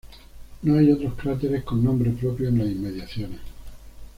No hay otros cráteres con nombre propio en las inmediaciones.